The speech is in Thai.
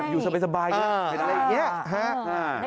อยู่สบายอะไรแบบนี้